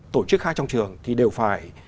tổ chức khai trong trường thì đều phải